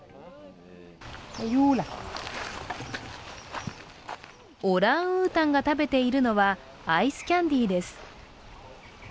オランウータンが食べているのは、アイスキャンディーです。